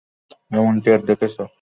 এমনটি আর দেখেছ?